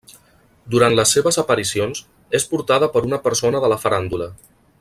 Durant les seves aparicions, és portada per una persona de la faràndula.